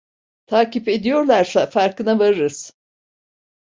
Takip ediyorlarsa farkına varırız…